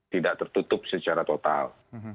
tidak tertutup secara total